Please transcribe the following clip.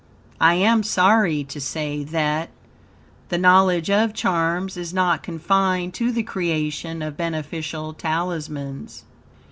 I am sorry to say that, the knowledge of charms is not confined to the creation of beneficial talismans.